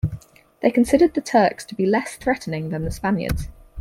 They considered the Turks to be less threatening than the Spaniards.